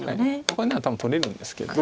これなら多分取れるんですけど。